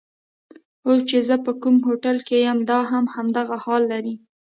اوس چې زه په کوم هوټل کې یم دا هم همدغه حال لري.